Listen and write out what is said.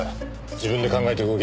自分で考えて動け。